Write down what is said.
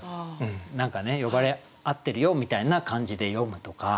何かね呼ばれ合ってるよみたいな感じで詠むとか。